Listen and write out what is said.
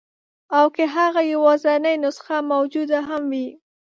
او که هغه یوازنۍ نسخه موجوده هم وي.